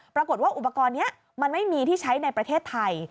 ปรากฏว่าอุปกรณ์นี้มันไม่มีที่ใช้ในประเทศไทย